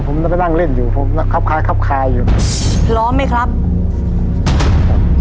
ผมจะไปนั่งเล่นอยู่ผมนะครับคล้ายครับคลายอยู่พร้อมไหมครับครับ